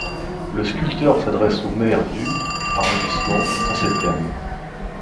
Le sculpteur s'adresse au maire du arrondissement en ces termes.